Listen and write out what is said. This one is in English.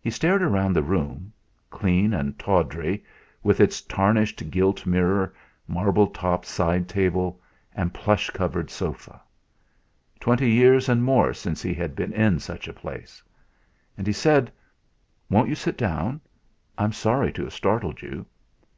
He stared round the room clean and tawdry, with its tarnished gilt mirror, marble topped side table, and plush covered sofa. Twenty years and more since he had been in such a place. And he said: "Won't you sit down? I'm sorry to have startled you."